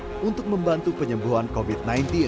dan juga untuk membantu penyembuhan covid sembilan belas